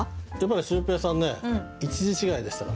シュウペイさんね１字違いでしたから。